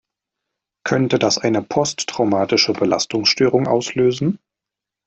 Könnte das eine posttraumatische Belastungsstörung auslösen?